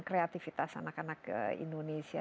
kreatifitas anak anak ke indonesia